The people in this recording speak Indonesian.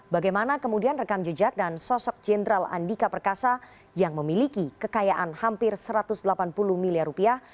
bagaimana kemudian rekam jejak dan sosok jenderal andika perkasa yang memiliki kekayaan hampir satu ratus delapan puluh miliar rupiah